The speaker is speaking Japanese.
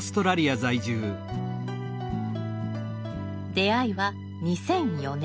出会いは２００４年。